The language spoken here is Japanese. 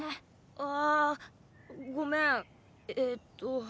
ああごめんえーっと。